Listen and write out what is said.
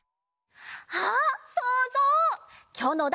あっそうぞう！